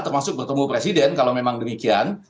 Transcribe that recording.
termasuk bertemu presiden kalau memang demikian